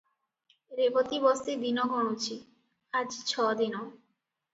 ରେବତୀ ବସି ଦିନ ଗଣୁଛି, ଆଜି ଛ ଦିନ।